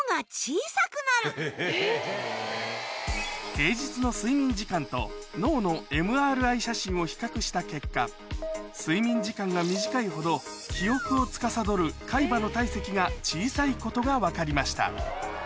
平日の睡眠時間と脳のＭＲＩ写真を比較した結果睡眠時間が短いほど記憶をつかさどる海馬の体積が小さいことが分かりました